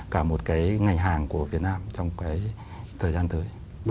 cả một cái ngành hàng của việt nam trong cái thời gian tới